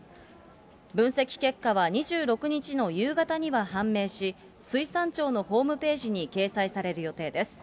分析結果は２６日の夕方には判明し、水産庁のホームページに掲載される予定です。